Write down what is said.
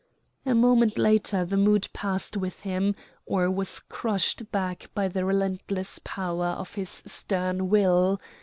A moment later the mood passed with him, or was crushed back by the relentless power of his stern will.